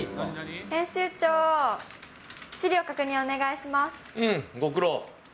編集長、資料確認お願いしまうん、ご苦労。